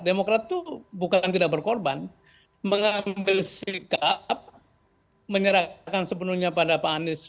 demokrat itu bukan tidak berkorban mengambil sikap menyerahkan sepenuhnya pada pak anies